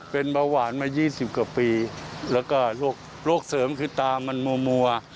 เป็นเบาหวานมา๒๐กว่าปีแล้วก็โรคเสริมคือตามันมัว